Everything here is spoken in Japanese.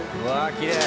きれい！